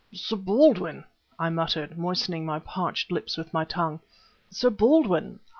"Sir Baldwin!" I muttered, moistening my parched lips with my tongue "Sir Baldwin!